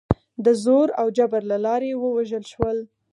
د زور او جبر له لارې ووژل شول.